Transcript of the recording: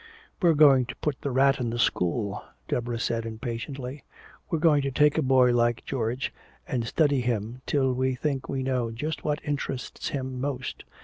We're going to put the rat in the school," Deborah said impatiently. "We're going to take a boy like George and study him till we think we know just what interests him most.